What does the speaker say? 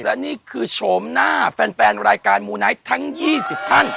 และนี่คือโฉมหน้าแฟนรายการมูไหนทั้งยี่สิบท่าน